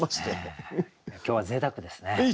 今日はぜいたくですね。